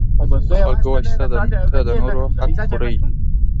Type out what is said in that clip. خلکو وویل چې ته د نورو حق خوري.